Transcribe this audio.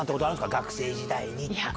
学生時代にとか。